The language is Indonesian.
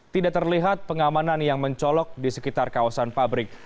tidak terlihat pengamanan yang mencolok di sekitar kawasan pabrik